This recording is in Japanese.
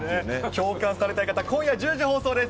共感されたい方、今夜１０時放送です。